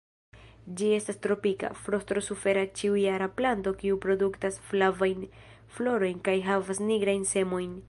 Ĝi estas tropika, frosto-sufera ĉiujara planto kiu produktas flavajn florojn kaj havas nigrajn semojn.